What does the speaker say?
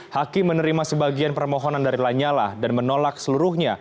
hakim menerima sebagian permohonan dari lanyala dan menolak seluruhnya